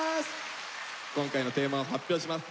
今回のテーマ発表します。